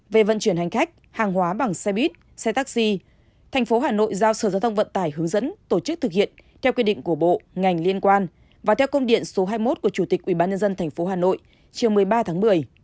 về vận chuyển hành khách hàng hóa bằng xe buýt xe taxi tp hà nội giao sở giao thông vận tải hướng dẫn tổ chức thực hiện theo quy định của bộ ngành liên quan và theo công điện số hai mươi một của chủ tịch ubnd tp hà nội chiều một mươi ba tháng một mươi